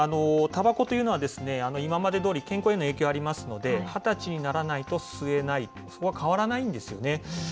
たばこというのは今までどおり、健康への影響がありますので、２０歳にならないと吸えない、そこは変わらないんですよね。